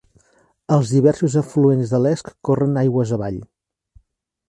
Els diversos afluents de l'Esk corren aigües avall.